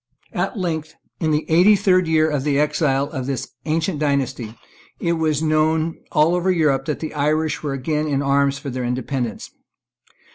At length, in the eighty third year of the exile of this ancient dynasty, it was known over all Europe that the Irish were again in arms for their independence.